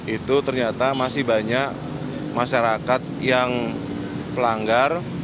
itu ternyata masih banyak masyarakat yang pelanggar